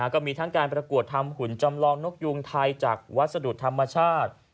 ก็มีทั้งการประกวดทำหุ่นจำลองนกยุงไทยจากวัสดุธรรมชาติ